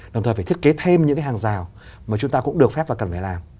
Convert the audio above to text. đồng thời phải thiết kế thêm những cái hàng rào mà chúng ta cũng được phép và cần phải làm